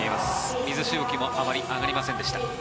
水しぶきもあまり上がりませんでした。